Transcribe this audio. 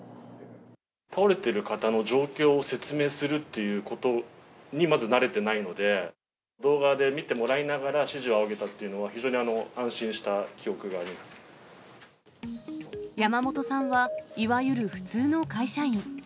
倒れている方の状況を説明するっていうことにまず慣れてないので、動画で見てもらいながら指示を仰げたというのは、非常に安心した山本さんは、いわゆる普通の会社員。